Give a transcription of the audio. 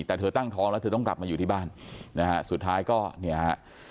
แต่เธอตั้งท้องแล้วเธอต้องกลับมาอยู่ที่บ้านนะฮะสุดท้ายก็เนี่ยฮะ